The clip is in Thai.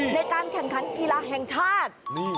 ในการแข่งขันกีฬาแห่งชาติ